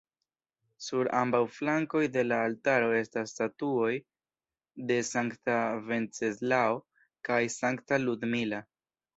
Sur ambaŭ flankoj de la altaro estas statuoj de Sankta Venceslao kaj Sankta Ludmila.